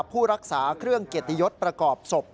ผู้รักษาเครื่องเกียรติยศประกอบศพ